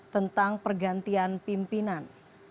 tentang pergantian pimpinan